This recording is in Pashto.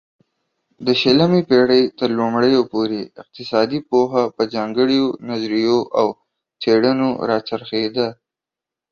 د شلمې پيړۍ ترلومړيو پورې اقتصادي پوهه په ځانگړيو نظريو او څيړنو را څرخيده